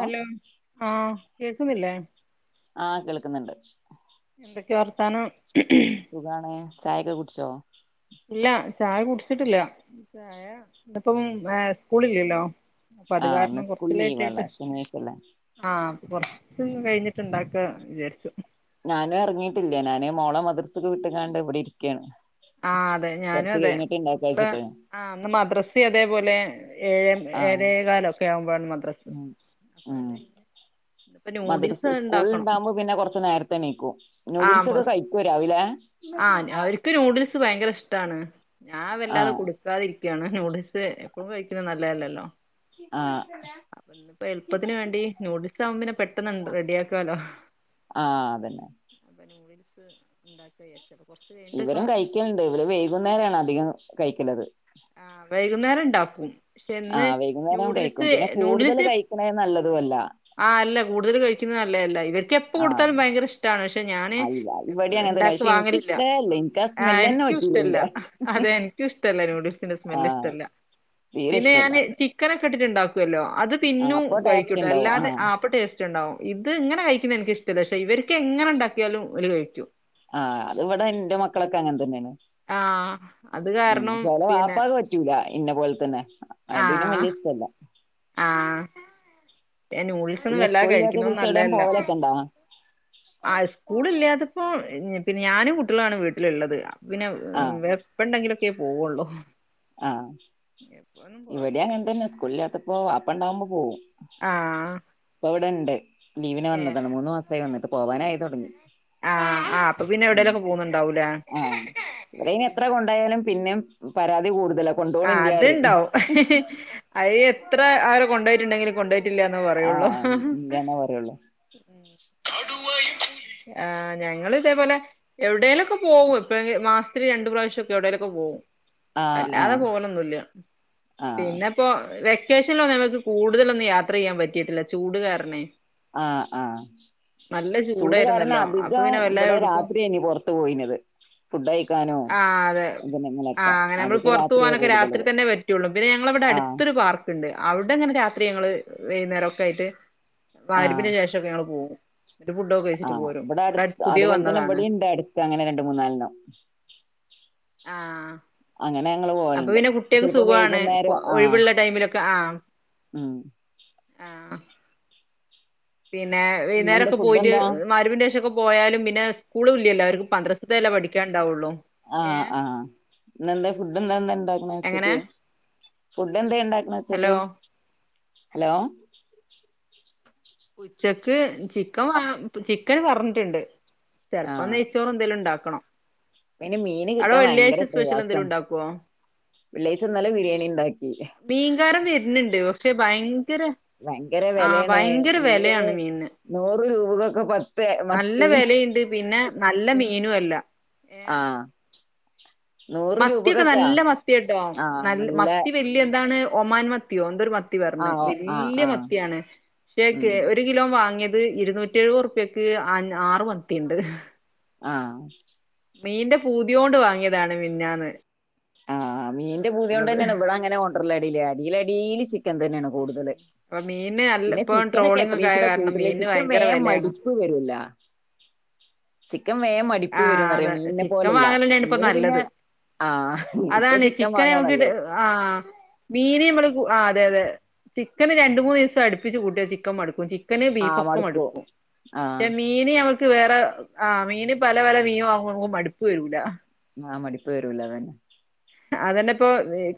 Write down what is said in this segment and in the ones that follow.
Hello ആ കേൾക്കുന്നില്ലേ ആ കേൾക്കുന്നുണ്ട്. ക്കെ വർത്താനം സുഖാണ് ചായ ഒക്കെ കുടിച്ചോ ഇല്ലാ ചായ കുടിച്ചിട്ടില്ല ചായ ഇന്നിപ്പോ സ്കൂളില്ലല്ലോ അപ്പൊ അത് ആഹ് ഇന്ന് കാരണം സ്കൂൾ കുറച്ചു ലേറ്റ് ലീവാണല്ലോ ആയിട്ട്, ശനിയാഴ്ചല്ലേ ആ കുറച്ചൊന്നു കഴിഞ്ഞിട്ടുണ്ടാക്കണം ആ വിചാരിച്ചു. ഞാനും ഇറങ്ങിയിട്ടില്ല ഞാൻ മോളെ മദ്രസ്സക്ക് വിട്ട്ക്കാണ്ട് ഇവടെ ഇരിക്കാണ്. ആ അതെ ഞാനും അതെ കുട്ടികളെ ആ ഇന്ന് മദ്രസ്സ അതെ പോലെ ആ മദ്രസ അപ്പൊ ഉം അത് കഴിഞ്ഞ് ഇന്നിപ്പോ മദ്രസ്സ് നൂഡിൽസ് സ്കൂൾ ഇണ്ടാക്കണം ഉണ്ടാകുമ്പോ കുറച്ച് നേരത്തെ എണീക്കും. നൂഡിൽസ് ഒക്കെ ആഹ് കഴിക്കോ രാവിലെ ഇഷ്ട്ടാണ്. ഞാൻ വല്ലാതെ ആഹ് കുടുക്കാതിരി ന്യൂഡിൽസ് എപ്പോഴും കഴിക്കുന്നത് നല്ലതല്ലല്ലോ. ആഹ് ആ ഇന്നിപ്പം എളുപ്പത്തിനു വേണ്ടി ന്യൂഡിൽസ് ആകുമ്പം പെട്ടെന്ന് ഉണ്ട് റെഡിയാക്കാല്ലോ ആഹ് അതന്നെ കൊറച്ച് കഴിഞ്ഞിട്ട് ഇവരും കഴിക്കണുണ്ട്.. ഇവര് വൈകുന്നേരം ആണ് അധികം കഴക്കണത്. ആ വൈകുന്നേരം ഇണ്ടാക്കും. പക്ഷെ ഇന്ന് ആഹ് വൈകുന്നേരം കഴിക്കും ന്യൂഡിൽസ് പിന്നെ കൂടുതൽ ന്യൂഡിൽസ്, കഴിക്കണേ നല്ലതും അല്ല ആ അല്ല കൂടുതല് കഴി നല്ലതല്ല ഇവർ ക്ക് എപ്പം ആഹ് കൊടുത്താലും ഭയങ്കര ഇഷ്ടമാണ് പക്ഷേ ഞാന് അല്ല ഇവിടെയും എപ്പഴും അങ്ങനെ തന്നെ ഇണ്ടാക്ക പക്ഷെ എനിക്ക് വാങ്ങലില്ല. ഇഷ്ടല്ല എനിക്ക് ആ സ്മെല്ല് തന്നെ എനൻക്കും പറ്റൂല ഇഷ്ടമല്ല ഇതിന്റെ അതെ എൻക്കും ഇഷ്ടല്ല ന്യൂഡിൽസ്. ആ സ്മെൽ ഇഷ്ടമല്ല. തീരെ പിന്നെ ഞാൻ ഇഷ്ടല്ല ചിക്ക കിട്ടിട്ടുണ്ടാവും ക്കല്ലോ അതു ആ തിന്നും അപ്പൊ ടേസ്റ്റ് കഴിക്കൂട്ടോ ഉണ്ടാവും അല്ലാതെ ആ അപ്പം ടേസ്റ്റ് ട്ടുണ്ടാവും. ഇത് ഇങ്ങനെ കഴിക്കുന്നത് എനിക്ക് ഇഷ്ട്ടമല്ല പക്ഷെ ഇവർക്ക് എങ്ങനെ ഉണ്ടാക്കിയാലും ഇവര് കഴിക്കും. ആ അത് ഇവിടെ എൻറെ മക്കളൊക്കെ അങ്ങനെ തന്നെ ആണ്. ആ അതുകാരണം പിന്നെ എന്നെപൊൽ തന്നെ അയിതിനും ആഹ് വല്യ ഇഷ്ടമല്ല അ ന്യൂഡിൽസ് പിന്നെ വല്ലാതെ സ്കൂളില്ലാത്ത കഴിക്കുന്നതും ദിവസം എവിടെയും നല്ലതല്ല. പോവലൊക്കെ ഉണ്ടാ ആ സ്കൂളില്ലാ പിന്നെ ഞാനും കുട്ടികളുമാണ് വീട്ടിൽ ഉള്ളത്. പിന്നെ ആ വെപ്പൊണ്ടങ്കിലും ക്കെ പൊവുള്ളൂ ആ ഇവിടെയും പോവലില്ല അങ്ങനെതന്നെ സ്കൂളില്ലാത്തപ്പോ അ ഒണ്ടാവുമ്പം പോവും ആഹ് ഇവിടുണ്ട് ലീവിന് ഏഹ് വന്നതാണ്. മൂന്നു മാസം ആയി വന്നിട്ട്. പോവാനായി തുടങ്ങി. ആഹ് ആഹ് അപ്പൊ പിന്നെ ഉം എവിടേലൊക്കെ പോകുന്നുണ്ടാവൂലേ ആ ഇവിടിന്ന് എത്ര കൊണ്ട്പോയാലും പിന്നെയും പരാ തി കൂടും ആ അതുണ്ടാവും. അയെത് എത്ര നാൾ കൊണ്ട് പോയിട്ടുണ്ടെങ്കിലും കൊണ്ട് പോയി ഇല്ലാന്ന് പറയുള്ളൂ ആഹ് ഇല്ലന്നെ പറയുള്ളൂ ഉം ആ ഞങ്ങള് ഇതേപോലെ എവിടേലൊക്കെ പോകും എപ്പഴെ മാസത്തിൽ രണ്ടു പ്രാവശ്യം മൊക്കെ എവിടെലൊക്ക പോകും. ആഹ് ല്ലാതെ ആഹ് പോവാലോന്നുംല്ല ആഹ് പിന്നെ ഇപ്പൊ വെ വെക്കേഷനൊന്നു കൂടുതലൊന്നും യാത്ര ചെയ്യാൻ പറ്റിട്ടില്ല ചൂട്കാരണവേ ആഹ് ആഹ് ചൂട് കാരണം ചൂടായിരുന്നല്ലോ അപ്പൊ അധികം പിന്നെ വല്ലാതെ ഇവ്ടെ എവ്ട്ക്കും രാത്രിന്ന്യയാണ് പുറത്തു പോയിണത് ഫുഡ്‌ കഴിക്കാനും ആഹ് എന്തിനെലൊക്കെ അധികം രാത്രി പോവാനൊക്ക രാത്രി തന്നെ പറ്റ്വൊള്ളൂ പിന്നെ ഞങ്ങടെ ഇവ്ടെ ആഹ് അടുത്തൊരു പാർക്ക്‌ ണ്ട് അവ്ടെ ങ്ങനെ രാത്രി ഞങ്ങള് വൈകുന്നേരം ഒക്കെ ആയിട്ട് ആഹ് ബാരിപ്പിന് ശേഷം ഒക്കെ ഞങ്ങള് പോകും ന്നിട്ട് ഫുഡൊക്കെ കഴിച്ചിട്ട് ആഹ് പോരും ഇബടെ ഇവിടെ അടുത്ത പുതിയ അതുപോലെതന്നെ വന്നതാണ് ഇവ്ടേം അടുത്ത് അങ്ങനെ രണ്ട് മുന്നാലെണ്ണം ആഹ് പോവലുണ്ട് അപ്പപ്പിന്നെ കുട്ടികൾക്ക്‌ ചിലപ്പോ സുഖാവാണ് വൈകുന്നേരം ആഹ് ഒഴിവുള്ള ടൈംമിലൊക്കെ ആഹ് ഉം ആഹ് പിന്നെ വൈകുന്നേരം ഇന്നെന്താ ഒക്കെ ഫുഡ് പോയിട്ട് എന്താ മാരിബിന്റെ ശേഷംക്കെ പോയാലും പിന്നെ സ്കൂളും ഇല്യാലോ അവർക്ക് മദ്രസിത്തെ പഠിക്കാൻ ണ്ടാവൊള്ളൂ ആഹ് ആഹ് ഇന്നെന്താ ഫുഡ്‌ന്താ ഇന്ന് ണ്ടാ എങ്ങനെ ഉച്ചെക്ക് ഫുഡ്‌ എന്ത്കണ്ടാ ഹലോ [unintelligible] ഹലോ ഉച്ചക്ക് ചിക്കൻ വാങ്ങാ ചിക്കൻ പറഞ്ഞിട്ടുണ്ട് ചെലപ്പം നെയ്യ്ച്ചോറ് എന്തേലും ണ്ടാക്കണം. ഇപ്പയിന് മീന് കിട്ടാൻ ഭയങ്കര സ്പെഷ്യൽ എന്തേലും പ്രയാസാണ്. ഉണ്ടാക്കുവോ വെള്ളിയാഴ്ച ഇന്നലെ ബിരിയാണിണ്ടാക്കി. മീൻ കാരൻ വെര്ന്ല്ലോ ശെ ഭയ്ൻ ഭയങ്കര വെലേണ് വെലയാണ് മീന് മീനിന് നൂറുരൂ [unintelligible] നല്ല വെലിം ണ്ട് പിന്നെ നല്ല മീ മീനു അല്ല ഏഹ് ആഹ് നൂറ് മത്തിയൊക്കെ രൂപക്കൊക്കാ നല്ല മത്തി കിട്ടും നല്ല മത്തി വല്യ ന്താണ് ഒമാൻ മത്തിയോ എന്തോരു മ ത്തി പറഞ് ആഹ് ആഹ് വല്യ ആഹ് മത്തിയാണ് ശ്ശെ കേ ഉം ഒര് കിലോം വാങ്ങി ത് ഇരുന്നൂറ്റി എഴുവത്റുപ്യക്ക് അം ആറ് മത്തീണ്ട്. ആഹ് മീന്റെ പൂതിയോണ്ട് വാങ്ങിയതാണ് മിൻഞ്ഞാന്ന്. മീന് ൻ്റെ പൂത്യോണ്ടെന്നേണ് ഇവടെ അങ്ങനെ കൊണ്ടര്ല് എടീല്. എടീ ല് എടീല് ചി കെംപെയ്നാണ് കൂടുതല് അഹ് മീന് ന്ന് അല്ല പിന്നെ ഇപ്പ ചിക്കനൊക്കെ ട്രോളിങ് ഒക്കെ ആയ എത്രേച്ചിട്ടാ കാര്ണം കൂട്ടല് മീന് ചിക്കൻ വയങ്കര വേം വെലേണ് മടിപ്പ് ക്കൻ വേഗം മടിപ്പ് അതെ വരുംന്നറിയാം മീനിനെ ചിക്കൻ പോലല്ല വാങ്ങലെന്നെയാണ് ഇപ്പൊ മീന് പിന്നെ നല്ലത് ആഹ് ഇപ്പൊ അതാണ് ചിക്കൻ വാങ്ങാ നമക്ക് നല്ലത് ആഹ് മീന് മ്മള് കു ആഹ് അതെ അതെ ചിക്കന് രണ്ട് മൂന്നീസം അടുപ്പിച്ച് കൂട്ടിയ ചിക്കൻ മടുക്കും ചി ക്കന് ബീഫൊക്കെ മടുക്കും കെ ആഹ് മീന് അവ ക്ക് വേറെ ആ മീന് പല പല മീം വാങ്ങു [unintelligible] മട്പ്പ് വരൂല ആ മടിപ്പ് വരൂല്ല അതന്നെ അതന്നെ ഇപ്പൊ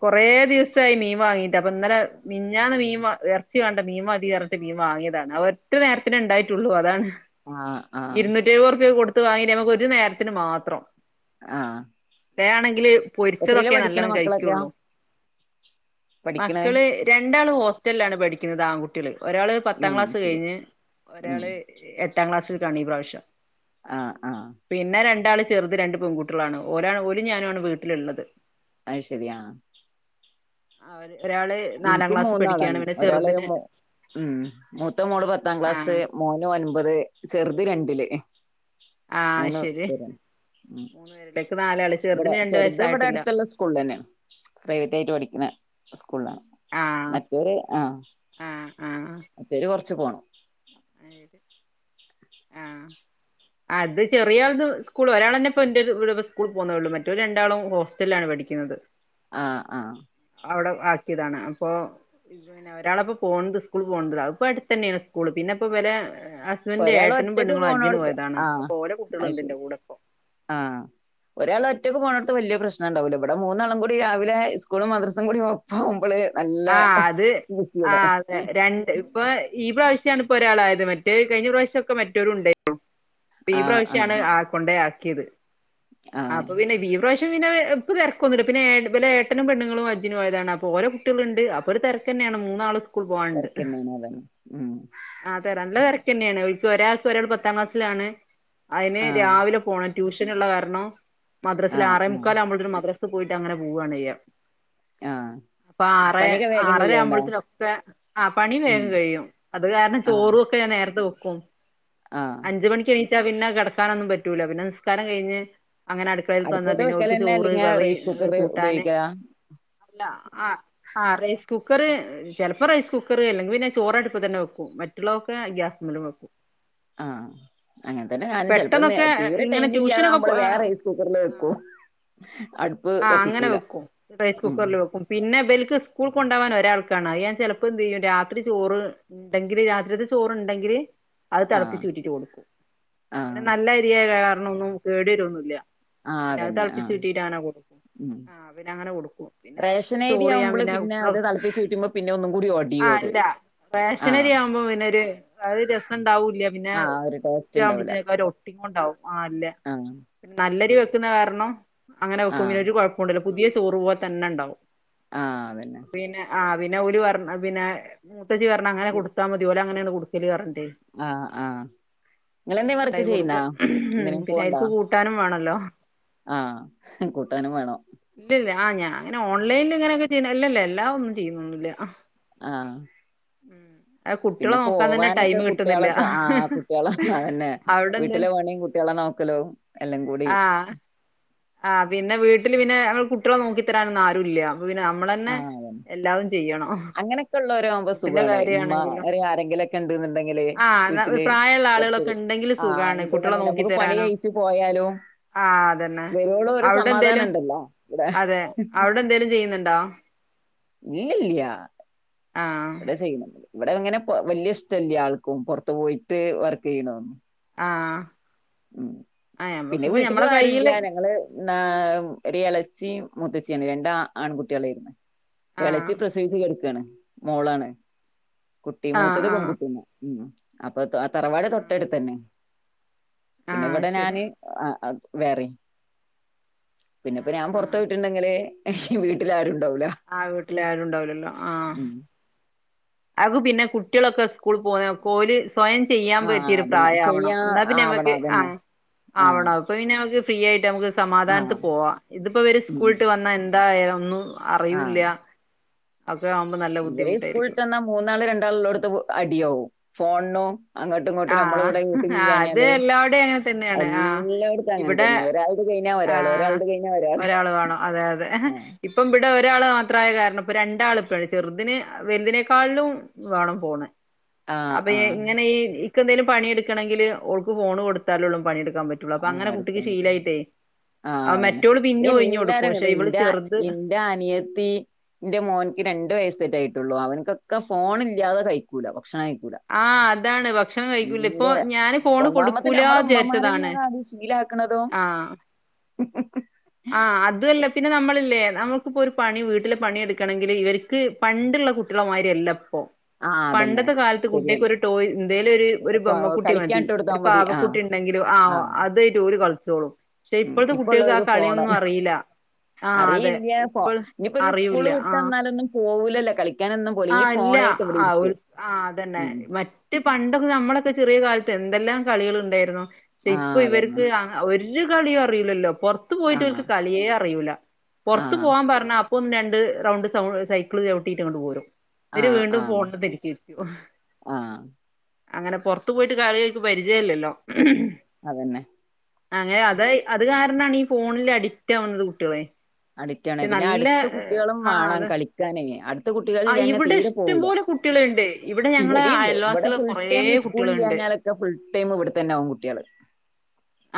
കൊറേ ദിവസായി മീൻ വാങ്ങീട്ട് അപ്പൊ ഇന്നലെ മിഞ്ഞാന്ന് മീൻ വാ എറച്ചി വേണ്ട മീൻ മതി എറന്നിട്ട് മീൻ വാങ്ങിയതാണ് അവർ ത്തിന് നേരത്തിനേ ഇണ്ടായിട്ടുള്ളൂ അതാണ് ആഹ് ആഹ് ഇരുന്നൂറ്റി എഴുപറുപ്യാ കൊട് ത്ത് വാങ്ങി നമ്മക്ക് ഒരു നേരത്തിന് മാത്രം ആഹ് വേണങ്കില് പോയ് എത്രയിലാ ച്ചതൊക്കെ പഠിക്കണ നല്ലോണം മക്കളൊക്കെ കഴിക്കുള്ളൂ പഠിക്കണേ മക്കള് രം ണ്ടാള് ഹോസ്റ്റലിലാണ് പഠിക്കുന്നത് ആൺകുട്ട്യാള് ഒരാള് പത്താം ഉം ക്ലാസ്സ് ശരി കഴിഞ്ഞ് ഉം ഒരാള് എട്ടാം ക്ലാസ് താണി ഭാഷ ആഹ് ആഹ് പിന്നെ രണ്ടാള് സ് ചെറുത് രണ്ട് പെൺകുട്ട്യോളാണ് ഓരും ഞാനാണ് വീട്ടില്ള്ളത് അയ് ശരിയാ അവര് ഒരാള് നാലാം ഇൻക്കും ക്ലാസ് പഠിക്കുകയാണ് മൂന്നാളാണ് പിന്നെ ഒരാള് ചെറുതിന് മോ ഉം മൂത്ത മോള് പത്താം ആഹ് ക്ലാസ് മോന് ഒൻപത് ചെറ്ത് രണ്ടില് എ ആഹ് മൂന്ന് ശരി പേരാണ് മൂന്ന് പേരുടേക്ക് നാലാള് ഇവടെ ചെറുതിന് രണ്ട് ചെറ്ത് ഇവിടെ വയസ്സായിട്ടില്ല അടുത്തുള്ള സ്കൂളി അന്നയാണ് പ്രൈവറ്റായിറ്റ് പഠിക്കണെ കൊള്ളാം മറ്റവര് ആ ആ ആ കൊറച്ച് പോണം ആ അത് ചെറിയ ആൾത് സ്കൂൾ ഒരാളന്നെ ഇപ്പ എന്റൊരു ഉരു സ്കൂൾ പോന്നൊ ഒള്ളു മറ്റോര് രണ്ടാളും ഹോസ്റ്റലിലണ് പഠിക്ക്ന്നത് ആ ആ അവിടെ ആക്കിയതാണ് അപ്പോ ഒരാള് ഇപ്പോൾ പോണുണ്ട് സ്കൂളിൽ പോണുണ്ട് അതിപ്പം അടുത്ത് തന്നെയാണ് ഇപ്പം പിന്നെ അവര് ഒരാൾ ഒറ്റക്ക് പോണോടത്ത് ആ അപ്പൊ ഓലെ അത് കുട്ടികളുണ്ട് ശരി എന്റെ കൂടെ ഇപ്പോ ആ ഒരാൾ ഒറ്റ- ഒറ്റക്ക് പോന്നോടത്ത് വല്യ പ്രശ്നമുണ്ടാകില്ല ഇവിടെ മൂന്നാളും കൂടി രാവിലെ സ്കൂളും മദറസയും കൂടി പോകുമ്പോള് ആ അത് ആ അതെ രണ്ട് ഈ പ്രാവിശ്വ ഒരാളായത് മറ്റേത് കഴിഞ്ഞ പ്രാവിശ്യമൊക്കെ മറ്റവരും ഉണ്ടായിരുന്നു ഈ ആഹ് ആഹ് പ്രാവിശ്യമാണ് ആ കൊണ്ടെ- ക്കിയത് ആഹ് അപ്പോൾ പിന്നെ ഈ പ്രാ- ഇപ്പ പിന്നെ ഇപ്പോ തിരക്കൊന്നുമില്ല പിന്നെ ഇവരുടെ ഏട്ടനും പെണ്ണുങ്ങളും ഹജ്ജിന് പോയതാണ് അപ്പോ ഓരുടെ കുട്ടി- ട്ടുന്നുണ്ട് അപ്പോ ഒരു തിരക്ക് തന്നെയാണ് മൂന്നാളും സ്കൂ- സ്കൂളിൽ പോകാനുണ്ട് തിരക്കന്നെയാണ് അതാണ് ഉം അതെ നല്ല തിര- തിരക്ക് തന്നെയാണ് ഒരാൾക്ക് ഒരാൾ പത്താം ക്ലാസ്സിലാണ് അയിന് ആഹ് രാവിലെ പോണം ട്യൂഷൻ ഉള്ള കാരണം മദ്റസയിൽ ആഹ് ഉം ആറേമുക്കാൽ ആകുമ്പോളത്തേക്ക് മദറസ സ്കൂളിൽ പോയിട്ട് അങ്ങനെ പോകുവാണ് ചെയ്ക ആ ഇപ്പ ആറ് ആറര ആറുമ്പോഴത്തേക്ക് ഒക്കെ പണി ഉം വേഗം കഴിയും അത് കാരണം ഞാൻ ആഹ് ചോറ് ഒക്കെ ഞാൻ നേരത്തെ വയ്ക്കും ആഹ് [inaudible] അഞ്ച് മണിക്ക് എണി- എണീറ്റാ പിന്നെ കിടക്കാനൊന്നും പറ്റൂല പിന്നെ നിസ്കാരം കഴിഞ്ഞ് അങ്ങനെ അടുക്കളേക്ക് അടുപ്പത്ത് വന്നാൽ ഓൾക്ക് വെക്കലന്നെ ചോർ അല്ലെങ്കി കറി റൈസ് കുക്കർ കൂട്ടാൻ ഉപയോഗിക്കലാ ആ ആ റെയ്സ് കുക്കറ് ചിലപ്പം റൈയ്സ് കുക്കറ് അല്ലേൽ പിന്നെ ചേറ് അടുപ്പത്ത് തന്നെ വെക്കും മറ്റുള്ള തെക്കെ ഗ്യസിമ്മോലും വയ്ക്കും അ അങ്ങനെ തന്നെ ഞാനും ചിലപ്പോ പെട്ടെന്നൊക്കെ തീരെ ഇങ്ങനെ ട്യൂഷനൊക്കെ പോ ടൈമില്ലതികുമ്പോൾ ആ വേഗം റെയ്സ് കുക്കറിൽ ആ വക്കും അടുപ്പ് ആഹ് അങ്ങനെ കത്തിക്കൂല വെക്കും സ്കൂളിൽ കൊണ്ടോവാൻ ഒരാൾക്കാണ് അത് ഞാൻ ചിലപ്പം എന്ത് ചെയ്യുംരാത്രി ചോറ് ഉണ്ടെങ്കില് രാത്രിത്തെ ചോറ് ഉണ്ടെങ്കില് അത് ആഹ് തിളപ്പിച്ച് ഊറ്റിയിട്ട് കൊടുക്കും പിന്നെ ആഹ് നല്ല അരിയായ കാരണം നൊന്നും കേട് വരൂല ആഹ് പിന്നെ അത് അതന്നെ തിളപ്പിച്ച് ആഹ് ഊറ്റിയിട്ട് അങ്ങനെ കൊടുക്കും ഉം ആ പിന്നെ അങ്ങനെ കൊടുക്കും പിന്നെ റേഷൻ അരി ചോറ് ഞാൻ ആവുമ്പള് വെ- അ പിന്നെ അത് തിളപ്പിച്ച് ഊറ്റുമ്പോ പിന്നെ ഒന്നും കൂടി ഒടിയും അത് അല്ല റേഷനരി ആഹ് ആകമ്പോൾ പിന്നെ ഒരു രസമുണ്ടാകില്ല പിന്നെ ആഹ് ഒരു ഉച്ച ടേസ്റ്റ് ഉണ്ടാവൂല ആകുമ്പോഴത്തേക്ക് ഒട്ടി കൊണ്ടാകും അ അല്ല ആഹ് നല്ലരി വയ്ക്കുന്ന കാരണം അങ്ങനെ വയ്ക്കും ആഹ് പിന്നെ ഒരു കുഴപ്പണ്ട- പുതിയ ചോറ് പോലെ തന്നെ ഉണ്ടാകും ആ അത് തന്നെ പിന്നെ ഓറ് പറ പിന്നെ എളേച്ചി പറഞ്ഞു അങ്ങനെ കൊടുത്താമതി ഓര് അങ്ങനെയാണ് [unintelligible] ആഹ് ആഹ് നിങ്ങളെന്തേ അങ്ങനെ വർക്ക് ഉണ്ടാക്കി ചെയ്യുന്നാ കൊടുക്കും ഉം പിന്നെ അവർക്ക് കൂട്ടാനും വേണോല്ലോ [inaudible] അഹ് കൂട്ടാനും വേണം ഇല്ലില്ല ആ ഞാൻ ഓണ്ലൈനിയിൽ ഇങ്ങനെയൊക്കെ ല്ല ല്ല എല്ലാ ഒന്നും ചെയ്യാനൊന്നും ഇല്ല അഹ് മം പിന്നെ പോവാനൊക്കെ കുട്ടിയാളെക്കെ ആ കുട്ട്യാളെ അതന്നെ അവിടെ എന്ത വീട്ട്ലെ പണിം കുട്ട്യോളെ നോക്കലും എല്ലം കൂടി ആ ആ പിന്നെ വീട്ടിൽ പിന്നെ ഞങ്ങടെ കുട്ടനെ നോക്കി തരനൊന്നും അരുവില്യ ആ അതെ അങ്ങനൊക്കെ ഉള്ള ആവുമ്പോ കുട്ടിന്റെ സുഖാണ് ഉമ്മ കാര്യമാണെങ്കിലും ആരെങ്കിലൊക്കെ ഉണ്ട് എന്നുണ്ടെങ്കില് ആ വീട്ടില് പ്രായമുള്ള കുറച്ചൊ ആളുകളൊക്കെ ഉണ്ടെങ്കിൽ ആ സുഖമാണ് കുട്ടികളെ ഉണ്ട്ണ്ടെങ്ക നോക്കി നമുക്ക് പണി തരാനോ കഴിച്ചു പോയാലും ആഹ് അതന്നെ വേ അവിടെ എന്തേലും അതെ അവിടെ എന്തേലും ചെയ്യുന്നു [unintelligible] ഇല്ലല്ലയാ ആഹ് ഇവിടെ ചെയ്യുന്നൊന്നും ഇവിടെ ഇങ്ങനെ വലിയ ഇഷ്ടമല്ലേ ആൾക്കും പൊറത്ത് പോയിട്ട് വർക്ക് ചെയ്യണതൊന്നും ആഹ ഉ പിന്നെ വീട്ടില് അരുവില്യ കയ്യില് ഞങ്ങള് ആ ഒരു ഇല ച്ചി മുത്തച്ചിയാണ് രണ്ടാ ആൺകുട്ടികളായിരുന്നു ആഹ് എളച്ചി പ്രസവിച്ചു കെടുക്കാണ് മോളാണ് കുട്ടി ആഹ് മൂത്തത് ആഹ് പെങ്കുട്ടി ന്ന ഉം അപ്പൊ ത തറവാട് ആഹ് തൊട്ടടുത്തന്നെ പിന്നെ ആഹ് ഇവിടെ ശരി ഞാന് ആ ആ വേറെ പിന്നെ ഇപ്പ ആഹ് ഞാൻ പുറത്ത ആഹ് പോയിട്ടുണ്ടെങ്കിലേ അയ്യോ വീട്ടിലാരരുണ്ട് ആ വീട്ടില്െ ആരുുംണ്ടാവലല്ലോ ആഹ ഉം. അക പിന്നെ കുട്ടികളൊക്കെ സ്കൂൾ പോുന്ന കോല സ്വയം ചെയ്യാൻ ആ പറ്റിയൊ ഒരു അതന്നെ പ്രായം ആവണോ ചെയ്യാ എന്നാൽ പിന്നെ ആവണം നമക്ക് ആ അതന്നെ ആ ആവണോ അപ്പൊ പിന്നെ നമുക്ക് ഫ്രീ ആയി് നമക്ക് ആ സമാധാനത്തി പോവാ ഇതിപ്പോവര് ഉം. സ്കൂളിട്ട് വന്ന എ എതായിരുന്നു അറിവൂല്ലല്യ ഇവരെ ഇസ്കൂളിട്ടെന്ന മൂന്നാള് രണ്ടാളുള്ളോടത്തു അടിയാകും. ഫോണിനു അങ്ങോട്ടുങ്ങോട്ട് ആഹ് ആഹ് നമ്മളിവിടെന്ട്ടിങ്ങനെ, അത് അതേ എല്ലാവടെയും അങ്ങനെ തന്നെയാണ് എല്ലാടത്തും അങ്ങനെതന്നെ ഒരാൾടെ കൈ ആ ഒരാള് വേണം അതെയതെ ഇപ്പം ഇവിടെ ഒരാള് മാ പ്രായകാരണം ഇപ്പ രണ്ടാളിപ്പഴ്. ചെറുതിന് വെൽതിനേക്കാളിലും വേണം ഫോണ്. ആഹ് ആഹ് അപ്പയെങ്ങനെ ഈ ക്കെന്തേലും പണിയെടുക്കണെങ്കില് ഓൾക്ക് ഫോണ് കൊടുത്താലേ ഒള്ളു പണിയെടുക്ക് ക്കാൻ പറ്റുള്ളൂ പ്പങ്ങനെ കുട്ടിക്ക് ശീലായിട്ടേ ആ ആഹ് അതന്നെ. മറ്റോള് പിന്നും ഒഴിഞ്ഞ് കൊടുക്കും പക്ഷെ എല്ലാരുംങ്ങനെന്നെ ഇവള് എന്റ ചെറുത് എന്റനിയത്തി ന്റെ മോന്ക്ക് രണ്ട് ണ്ടു വയസ്സേറ്റോ ആയിട്ടുള്ളു അവനക്കൊക്കെ ഫോണില്ല്യാതെ കയിക്കൂല. ആ അതാണ്, ഭക്ഷണം കഴിക്കൂലാ. ഇപ്പ ഭയങ്കര ഞാനും ഫോണ് കൊടുക്കൂലാചാരിച്ചതാണ്. മുശ്കിലാക്കണതോ? ആ അതുവല്ല പിന്നെ നമ്മളില്ലേ നമ്മക്കിപ്പോരു പണി വീട്ടിലെ പണിയെടുക്കണെങ്കില് ഇവര്ക്കു പണ്ടുള്ള കുട്ട്യാളെമാതിരിയല്ല ഇപ്പ് ഓ ആഹ് അതന്നെ പണ്ടത്തെ കാലത്ത് കുട്ട്യാക്ക് ശരിയാണ് ഒരു ടോയ് എന്തേലുയൊരു ഒരു അപ്പൊ ബൊമ്മക്കുട്ടി കളിക്കാൻ മതി ഇട്ട് കൊടുത്താ ഒരു മതി ആഹ് പാവക്കുട്ടിയുണ്ടെങ്കില് ആ ആഹ് അതുവായിട്ടു ഓരു കളി ച്ചോളും. ക്ഷേ ഉം. ഇപ്പഴത്തെ ഇപ്പൊ കുട്ടികൾക്കാ ഉള്ളവർക്ക് ഫോണ് കളിയൊന്നും അറിയില ആ അതേ അറിയില്ല ഫോ ഇപ്പോൾ അറിയൂല്ല ആഹ് പോവൂല്ലല്ലോ കളി ആ ഇല്ല ആ ഓല് ആ അതന്നെ ഉം. മറ്റു പണ്ടൊക്കെ നമ്മളൊക്കെ ചെറിയ കാലത് എന്തെല്ലാം കളികളുണ്ടായിരുന്നു. ആ ഇപ്പ അതന്നെ ഇവര്ക്കു ആ ആ ഒരു രു കളീ അറിയൂല്ലല്ലോ. പൊറത്തു ആ പോയിട്ടിവർക്കു കളിയേ അറിയൂല്ല ആ പൊറത്തു പോവാൻ പറഞ്ഞാ അപ് ഒന്നുരണ്ടു റൗണ്ട് സൈക്കിളു ചവിട്ടീട്ട് ഇങ്ങട്ട് പോരും ആ ന്നിട്ട് വീണ്ടും ആ ഫോണെടുത്തിരിക്കുവായിരിക്കും. ആ അങ്ങനെ പൊറത്തുപോയിട്ട് കളി ഇവർക്കു പരിചയല്ലല്ലോ. അതന്നെ. അങ്ങനെ അതേ അത് കാരണാണ് ഈ ഫോണില് അഡിക്റ്റാകുന്നെ കുട്ടിയേളെ അഡിക്റ്റാണ് പിന്നേ അടുത്ത് കുട്ടികളും ആഹ് വേണം അത് കളിക്കാനേ, അടുത് ടുത്ത് കുട്ട്യേള് ആഹ് ഇല്ലാഞ്ഞാല് ഇവിടെ തീരെ പോവൂല ഇഷ്ടംപോലെ കുട്ടികളുണ്ട് ഇവിടെ ഞങ്ങളെ ഇവടിണ്ട് ഇവിടെ അയൽവാസികള് കൊറേ ഫുൾടൈം കുട്ടികളുണ്ട് സ്കൂളില്ലാഞ്ഞാലോക്കെ ഫുൾടൈം ഇവടെ തന്നെയാവും കുട്ട്യേള്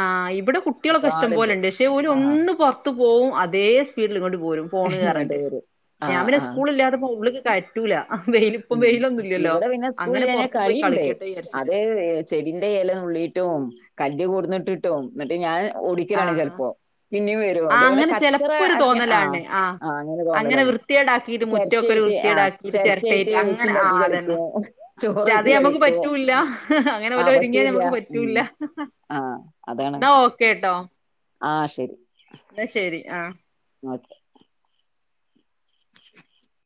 ആ ഇവടെ കുട്ട്യേളൊക്കെ ഇഷ്ടം പോലെ ഇണ്ട് പക്ഷേ ആ ഒലൊന്നും പൊർത്ത് പോവും അതെ സ്പീഡില് ഇങ്ങോട്ട് പോരും ഫോണ് ഇങ്ങോട്ട് പറഞ്ഞിട്ട് വരും ആ ഞാൻ പിന്നെ ആ സ്കൂളില്ലാത്തപ്പോ ഉള്ളില് കയറ്റൂല വെയില് ഇപ്പം ഉം വെയിലൊന്നും ഇല്ലല്ലോ ഇവിടെ പിന്നെ അങ്ങനെ സ്കൂളില്ലാഞ്ഞാല് പൊറത്ത് പോയി കളിണ്ട് കളിക്കട്ടെ വിചാരിച്ചിട്ട് അതെ ചെടിന്റെ ആഹ് എല നുള്ളിട്ടും കല്ല് കൂട് ന്നിട്ട്ട്ടോ ഇന്നിട്ട് ഞാന് ഓടിക്കലാണ് ആഹ് ചെലപ്പോ പിന്നേം വരും അതുപോലെ അങ്ങനെ കച്ചറ ചെലപ്പോ ഒരു ആക്കി ആ തോന്നലാണ് ആഹ് ആ അങ്ങനെ തോന്നലാണ് വൃത്തികേടാക്കിട്ട് മുറ്റൊക്കെ ഒരു ചെരട്ടായിട്ട് ആ വൃത്തികേടാക്കിട്ട് ചെര ചിരട്ടയിട്ട് [unintelligible] അങ്ങനെ വെച്ച്ണ്ടാക്കി ആഹ് അതന്നെ കളിക്കാ അത് നമക്ക് പറ്റുല അങ്ങനെ ഓര് ആഹ് ഒരുങ്ങിയാൽ പറ്റൂല നമക്ക്‌ ഉം പറ്റുല ആഹ് ന്നാൽ ഓക്കേ ട്ടോ ആ ശരി ഓക്കേ [unintelligible]